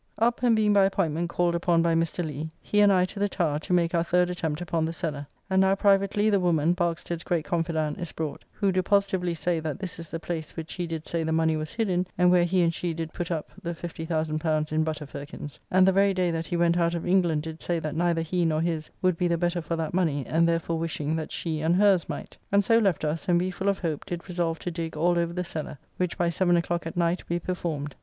Up and being by appointment called upon by Mr. Lee, he and I to the Tower, to make our third attempt upon the cellar. And now privately the woman, Barkestead's great confident, is brought, who do positively say that this is the place which he did say the money was hid in, and where he and she did put up the L50,000 [Thus in the MS., although the amount was first stated as L7,000 (see October 30th, 1662)] in butter firkins; and the very day that he went out of England did say that neither he nor his would be the better for that money, and therefore wishing that she and hers might. And so left us, and we full of hope did resolve to dig all over the cellar, which by seven o'clock at night we performed.